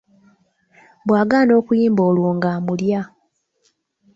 Bw’agaana okuyimba olwo ng’amulya.